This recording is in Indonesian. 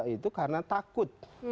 itu karena takut